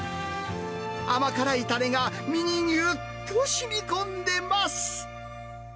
甘辛いたれが身にぎゅっとしみこんでます。